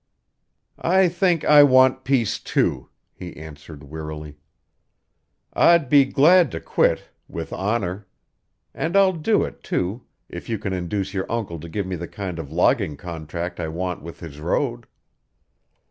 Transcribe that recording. "I think I want peace, too," he answered wearily. "I'd be glad to quit with honour. And I'll do it, too, if you can induce your uncle to give me the kind of logging contract I want with his road."